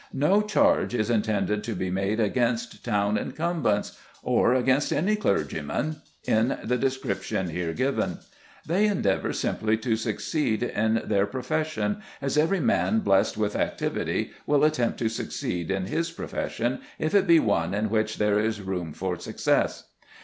No charge is intended to be made against town incumbents, or against any clergyman, in the description here given. They endeavour simply to succeed in their profession, as every man blessed with activity will attempt to succeed in his profession if it be one in which there is room for success.